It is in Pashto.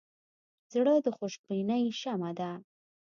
زړه د خوشبینۍ شمعه ده.